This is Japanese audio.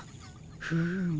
フーム。